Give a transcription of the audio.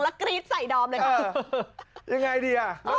อ่ายังไงดีอ่ะ